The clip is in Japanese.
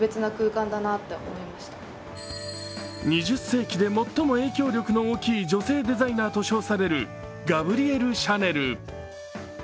２０世紀で最も影響力の大きい女性デザイナーと称されるガブリエル・シャネル。